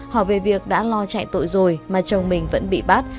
họ về việc đã lo chạy tội rồi mà chồng mình vẫn bị bắt